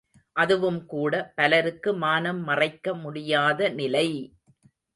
அதுவும் கூட பலருக்கு மானம் மறைக்க முடியாத நிலை!